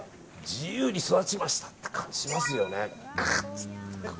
自由に育ちましたって感じしますよね。